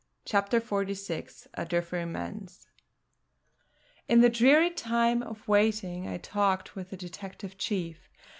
CHAPTER XLVI ARDIFFERY MANSE In the dreary time of waiting I talked with the detective chief.